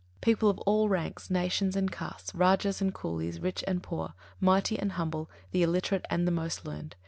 People of all ranks, nations and castes; rājas and coolies, rich and poor, mighty and humble, the illiterate and the most learned.